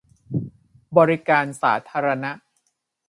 บริการสาธารณะ